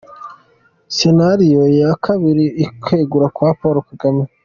Senario ya kabiri : Ukwegura kwa Paul Kagame